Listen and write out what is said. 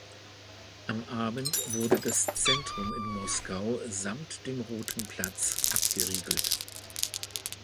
Am Abend wurde das Zentrum in Moskau samt dem Rotem Platz abgeriegelt.